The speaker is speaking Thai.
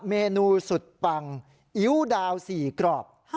เมนูสุดปั่งอิวดาวสี่กรอบ